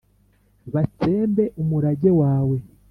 batsembe umurage wawe